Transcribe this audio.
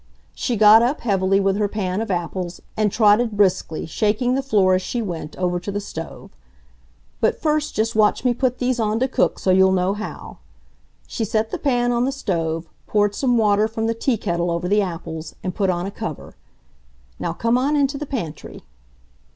She got up heavily with her pan of apples, and trotted briskly, shaking the floor as she went, over to the stove. "But first just watch me put these on to cook so you'll know how." She set the pan on the stove, poured some water from the tea kettle over the apples, and put on a cover. "Now come on into the pantry."